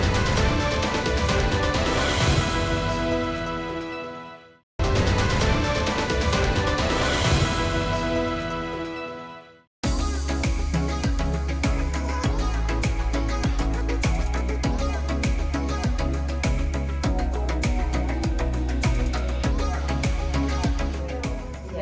dan tekan tombol subscribe